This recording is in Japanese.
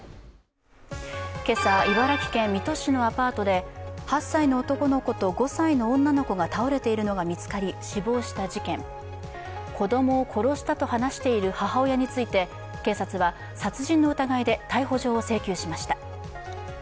今朝茨城県水戸市のアパートで８歳の男の子と５歳の女の子が倒れているのが見つかり、死亡した事件子供を殺したと話している母親について警察は殺人の疑いで逮捕状を請求しました。